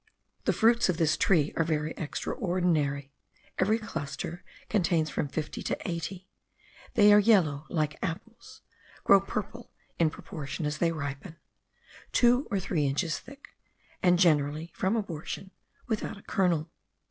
The fruits of this tree are very extraordinary; every cluster contains from fifty to eighty; they are yellow like apples, grow purple in proportion as they ripen, two or three inches thick, and generally, from abortion, without a kernel.